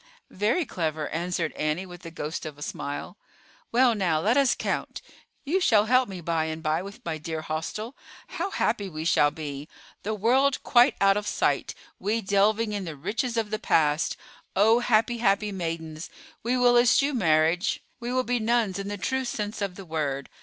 "Very clever," answered Annie, with the ghost of a smile. "Well, now, let us count. You shall help me by and by with my dear hostel. How happy we shall be! The world quite out of sight, we delving in the riches of the past. Oh, happy, happy maidens! We will eschew marriage; we will be nuns in the true sense of the word.